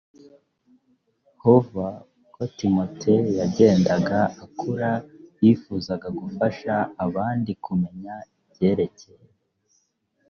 hova uko timoteyo yagendaga akura yifuzaga gufasha abandi kumenya ibyerekeye